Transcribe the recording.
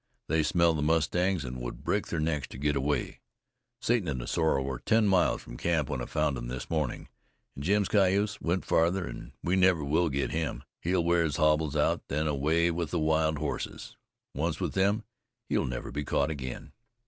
They smell the mustangs, an' would break their necks to get away. Satan and the sorrel were ten miles from camp when I found them this mornin'. An' Jim's cayuse went farther, an' we never will get him. He'll wear his hobbles out, then away with the wild horses. Once with them, he'll never be caught again."